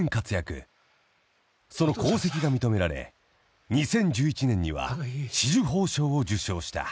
［その功績が認められ２０１１年には紫綬褒章を受章した］